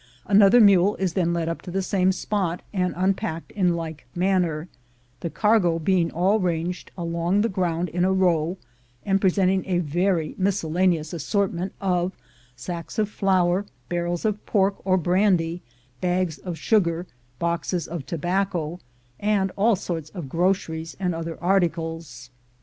Another mule is then led up to the same spot, and unpacked in like manner; the cargo being all ranged along the ground in a row, and presenting a very miscellaneous assort ment of sacks of flour, barrels of pork or brandy, bags of sugar, boxes of tobacco, and all sorts of groceries and other articles.